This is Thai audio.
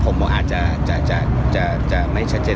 ผมบอกอาจจะไม่ชัดเจน